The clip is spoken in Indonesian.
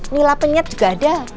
mila penyet juga ada